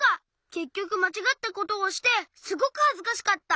けっきょくまちがったことをしてすごくはずかしかった。